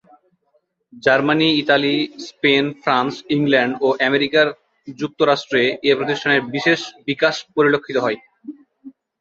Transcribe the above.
Germany, Italy, Spain, France, England ও আমেরিকার যুক্তরাষ্ট্রে এ প্রতিষ্ঠানের বিশেষ বিকাশ পরিলক্ষিত হয়।